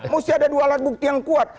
mesti ada dua alat bukti yang kuat